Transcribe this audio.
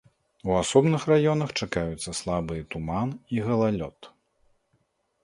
У асобных раёнах чакаюцца слабыя туман і галалёд.